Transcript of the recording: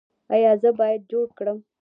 ایا زه باید جوړ کړم؟